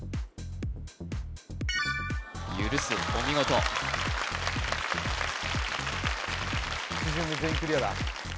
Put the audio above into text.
ゆるすお見事一巡で全員クリアだ